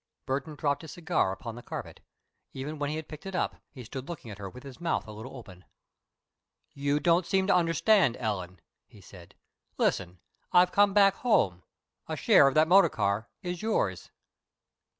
Burton dropped his cigar upon the carpet. Even when he had picked it up, he stood looking at her with his mouth a little open. "You don't seem to understand, Ellen," he said. "Listen. I've come back home. A share of that motor car is yours."